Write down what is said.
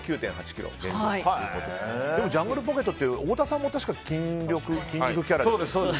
でもジャングルポケットって太田さんも確か筋肉キャラですよね。